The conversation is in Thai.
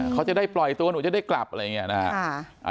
เขาจะได้ปล่อยตัวหนูจะได้กลับอะไรอย่างนี้นะครับ